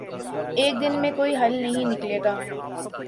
ایک دن میں کوئی حل نہیں نکلے گا۔